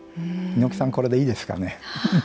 猪木さん、これでいいですかね。